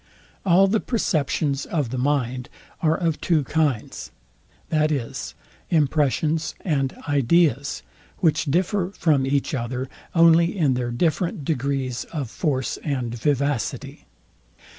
All the perceptions of the mind are of two kinds, viz. impressions and ideas, which differ from each other only in their different degrees of force and vivacity.